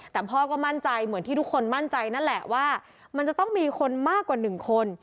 แต่พ่อก็มั่นใจเหมือนที่ทุกคนมั่นใจนั่นแหละว่ามันจะต้องมีคนมากกว่าหนึ่งคน